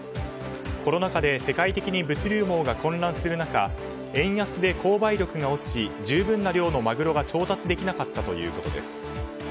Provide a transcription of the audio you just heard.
コロナ禍で世界的に物流網が混乱する中円安で購買力が落ち十分な量のマグロが調達できなかったということです。